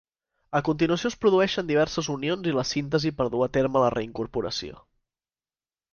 A continuació es produeixen diverses unions i la síntesi per dur a terme la reincorporació.